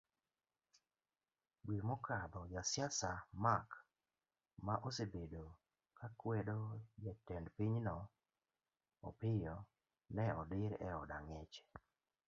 Dwe mokadho, jasiasa Mark ma osebedo kakwedo jatend pinyno Opiyo ne odir eod angech.